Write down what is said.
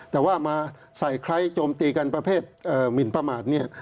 แต่ว่ามาใส่ไคร้โจมตีกันประเภทหมินประมาทเนี่ย